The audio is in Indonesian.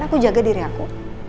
aku jaga diri aku